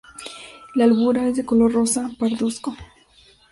La albura es de color rosa-pardusco.